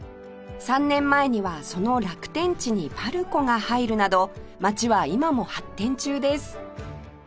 ３年前にはその楽天地に ＰＡＲＣＯ が入るなど街は今も発展中です